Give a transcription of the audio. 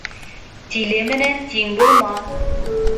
Тиле менән тиң булма.